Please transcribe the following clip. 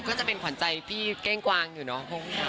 ก็จะเป็นขวัญใจพี่เก้งกวางอยู่เนาะ